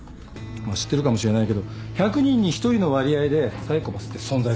まあ知ってるかもしれないけど１００人に１人の割合でサイコパスって存在する。